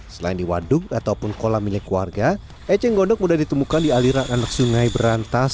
selain di waduk ataupun kolam milik warga eceng gondok mudah ditemukan di aliran anak sungai berantas